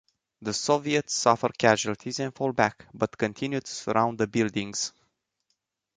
The Soviets suffer casualties and fall back, but continue to surround the buildings.